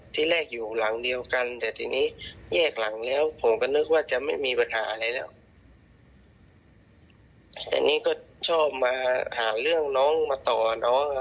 แต่นี่ก็ชอบมาหาเรื่องน้องมาต่อน้อง